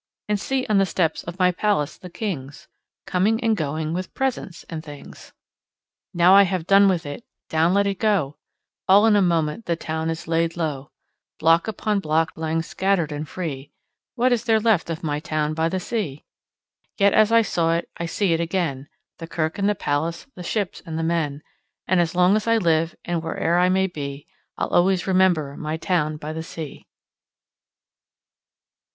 And see, on the steps of my palace, the kings Coming and going with presents and things! Now I have done with it, down let it go! All in a moment the town is laid low. Block upon block lying scattered and free, What is there left of my town by the sea? Yet as I saw it, I see it again, The kirk and the palace, the ships and the men, And as long as I live and where'er I may be, I'll always remember my town by the sea.